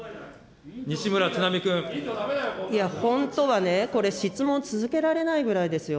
いや、本当はね、これ、質問続けられないぐらいですよ。